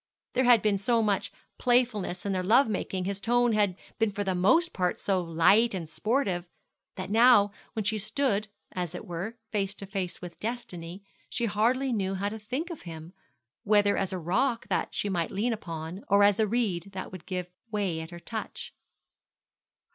There had been so much playfulness in their love making, his tone had been for the most part so light and sportive, that now, when she stood, as it were, face to face with destiny, she hardly knew how to think of him, whether as a rock that she might lean upon, or as a reed that would give way at her touch.